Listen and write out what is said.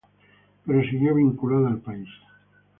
Pero siguió vinculada al país.